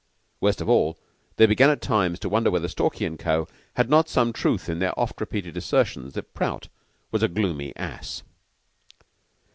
Worst of all, they began at times to wonder whether Stalky & Co. had not some truth in their often repeated assertions that Prout was a gloomy ass.